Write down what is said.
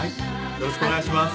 よろしくお願いします。